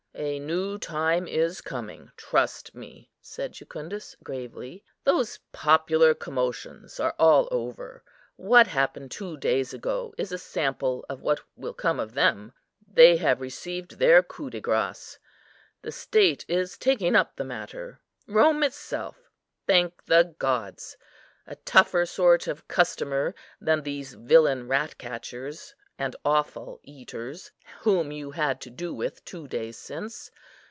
"A new time is coming, trust me," said Jucundus, gravely. "Those popular commotions are all over. What happened two days ago is a sample of what will come of them; they have received their coup de grâce. The State is taking up the matter, Rome itself, thank the gods! a tougher sort of customer than these villain ratcatchers and offal eaters, whom you had to do with two days since.